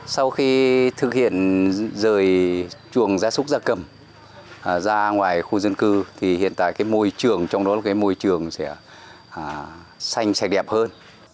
sau khi thực hiện rời chuồng ra súc ra cầm ra ngoài khu dân cư thì hiện tại môi trường trong đó sẽ xanh sạch đẹp hơn